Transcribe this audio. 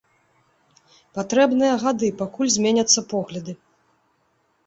Патрэбныя гады, пакуль зменяцца погляды.